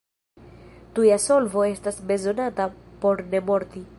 Tuja solvo estas bezonata por ne morti.